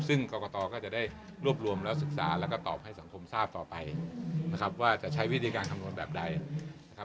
ซึ่งกรกฎก็รวบรวมและศึกษาและตอบให้สังคมทราบต่อไปว่าจะใช้วิธีการคำนวณแบบไหน